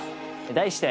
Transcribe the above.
題して。